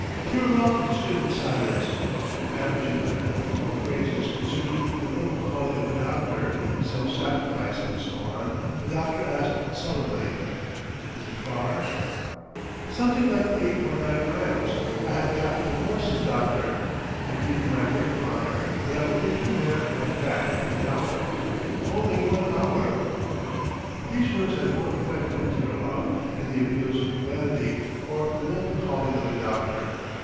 Kirilov stood in silence. When Abogin uttered a few more phrases concerning the noble calling of a doctor, self sacrifice, and so on, the doctor asked sullenly: "Is it far?" "Something like eight or nine miles. I have capital horses, doctor! I give you my word of honour that I will get you there and back in an hour. Only one hour." These words had more effect on Kirilov than the appeals to humanity or the noble calling of the doctor.